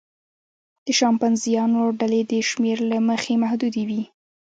د شامپانزیانو ډلې د شمېر له مخې محدودې وي.